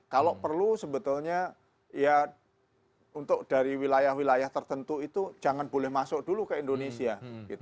kalau perlu sebetulnya ya untuk dari wilayah wilayah tertentu itu jangan boleh masuk dulu ke indonesia